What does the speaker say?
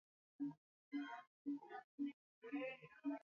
Tunaendelea kuwasihi wafuasi wetu kujiandikisha kwa wingi kupiga kura